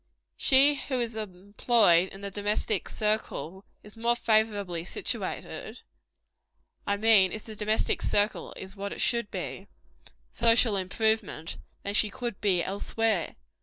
She who is employed in the domestic circle, is more favorably situated I mean, if the domestic circle is what it should be for social improvement, than she could be elsewhere.